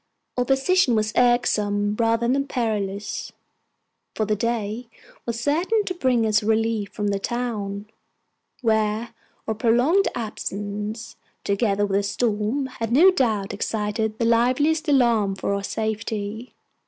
Our position was irksome rather than perilous; for the day was certain to bring us relief from the town, where our prolonged absence, together with the storm, had no doubt excited the liveliest alarm for our safety.